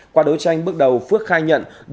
qua đối tranh bước đầu phước khai nhận